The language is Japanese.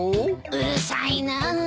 うるさいなあ。